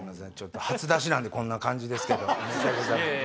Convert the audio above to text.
初出しなんでこんな感じですけど。